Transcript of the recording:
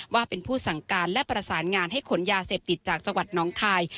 ว่าเป็นผู้สั่งการและประสานงานให้ขนยาเสพติดจากจังหวัดน้องคาย